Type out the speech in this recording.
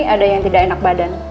ada yang tidak enak badan